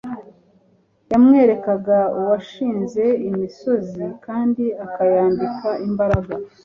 yamwerekaga uwashinze imisozi kandi akayambika imbaraga.